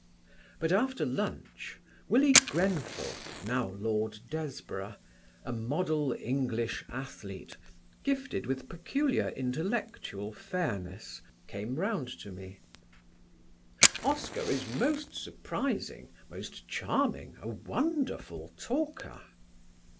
But after lunch Willie Grenfell (now Lord Desborough), a model English athlete gifted with peculiar intellectual fairness, came round to me: "Oscar Wilde is most surprising, most charming, a wonderful talker."